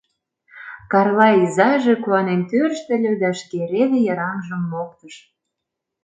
Карла изаже куанен тӧрштыльӧ да шке реве йыраҥжым моктыш.